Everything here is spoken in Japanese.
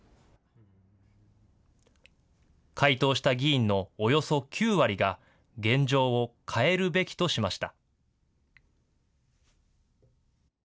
回答した議員のおよそ９割が現状を変えるべきとしました。